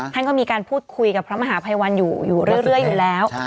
ท่านก็มีการพูดคุยกับพระมหาภัยวันอยู่อยู่เรื่อยอยู่แล้ว